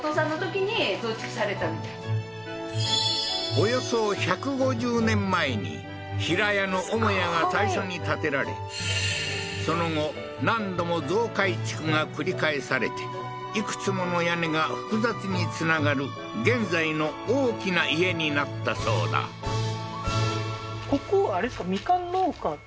およそ１５０年前に平屋の母家が最初に建てられその後何度も増改築が繰り返されていくつもの屋根が複雑につながる現在の大きな家になったそうだええー